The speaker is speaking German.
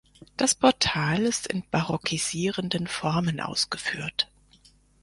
Das Portal ist in barockisierenden Formen ausgeführt.